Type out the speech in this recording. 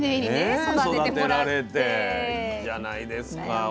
ね育てられていいじゃないですか。